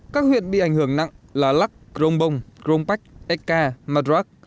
các huyện bị ảnh hưởng nặng là lắc cronbông cronpach eka madrak